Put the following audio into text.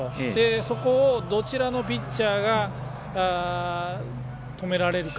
そこをどちらのピッチャーがとめられるか。